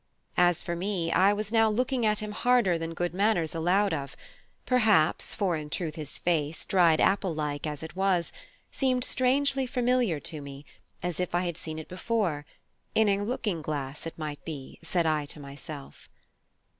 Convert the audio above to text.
As for me, I was now looking at him harder than good manners allowed of; perhaps; for in truth his face, dried apple like as it was, seemed strangely familiar to me; as if I had seen it before in a looking glass it might be, said I to myself.